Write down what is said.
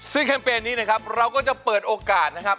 ซึ่งแคมเปญนี้นะครับเราก็จะเปิดโอกาสนะครับ